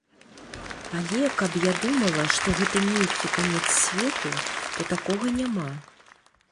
Але, каб я думала, што гэта нейкі канец свету, то такога няма.